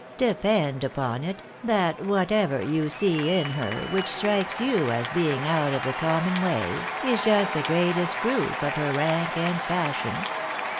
Depend upon it, that whatever you see in her, which strikes you as being out of the common way, is just the greatest proof of her rank and fashion.